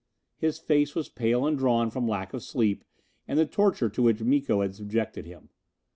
His face was pale and drawn from lack of sleep and the torture to which Miko had subjected him.